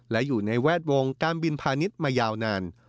และอยู่ในแวดวงการบินพาณิชย์มายาวนาน